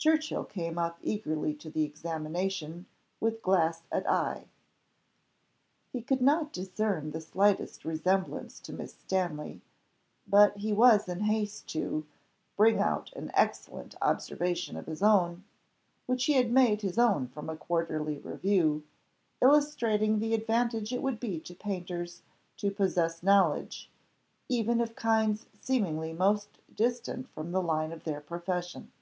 Churchill came up eagerly to the examination, with glass at eye. He could not discern the slightest resemblance to Miss Stanley; but he was in haste to bring out an excellent observation of his own, which he had made his own from a Quarterly Review, illustrating the advantage it would be to painters to possess knowledge, even of kinds seemingly most distant from the line of their profession.